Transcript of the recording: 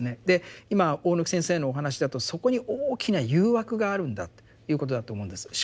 で今大貫先生のお話だとそこに大きな誘惑があるんだということだと思うんです。